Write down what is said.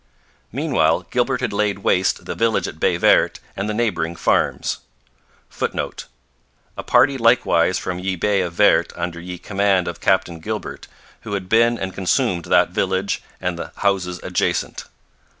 Meanwhile Gilbert had laid waste the village at Baie Verte and the neighbouring farms. [Footnote: 'A Party Likewise from ye Bay of verte under ye comand of Capt. Gilbert who had bin and consumed that vilige and the Houses adjasent.'